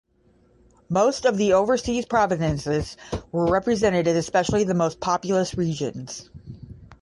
Most of the overseas provinces were represented, especially the most populous regions.